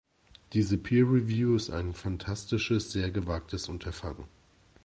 Diese Peer Review ist ein fantastisches, sehr gewagtes Unterfangen.